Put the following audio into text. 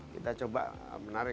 kita coba menarik